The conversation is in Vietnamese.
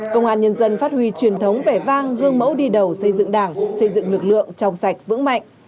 công an nhân dân phát huy truyền thống vẻ vang gương mẫu đi đầu xây dựng đảng xây dựng lực lượng trong sạch vững mạnh